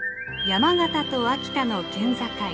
山形と秋田の県境。